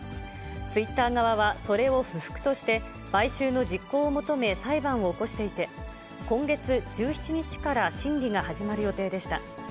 ツイッター側はそれを不服として、買収の実行を求め、裁判を起こしていて、今月１７日から審理が始まる予定でした。